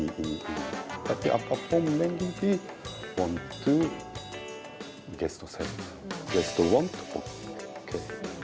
karena mereka hanya tahu mungkin yang itu itu lagi itu itu lagi